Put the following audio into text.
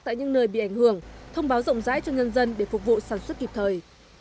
tại những nơi bị ảnh hưởng thông báo rộng rãi cho nhân dân để phục vụ sản xuất kịp thời